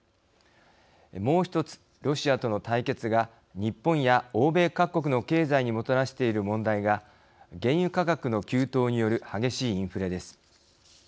もう一つ、ロシアとの対決が日本や欧米各国の経済にもたらしている問題が原油価格の急騰による激しいインフレです。